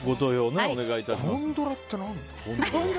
ゴンドラって何だ。